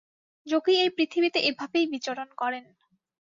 যোগী এই পৃথিবীতে এভাবেই বিচরণ করেন।